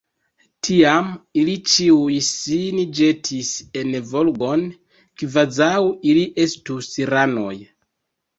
Tiam ili ĉiuj sin ĵetis en Volgon, kvazaŭ ili estus ranoj.